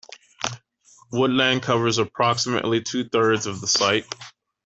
Woodland covers approximately two-thirds of the site.